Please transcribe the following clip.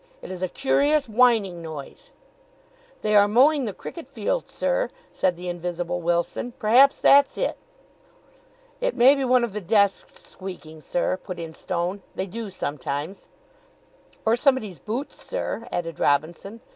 It is a curious whining noise." "They are mowing the cricket field, sir," said the invisible Wilson. "Perhaps that's it." "It may be one of the desks squeaking, sir," put in Stone. "They do sometimes." "Or somebody's boots, sir," added Robinson.